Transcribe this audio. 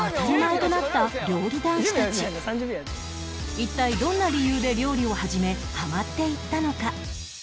一体どんな理由で料理を始めハマっていったのか？